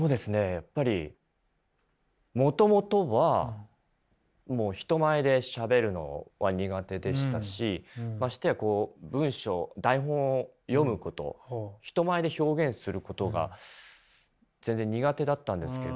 やっぱりもともとは人前でしゃべるのは苦手でしたしましてや文章台本を読むこと人前で表現することが全然苦手だったんですけど。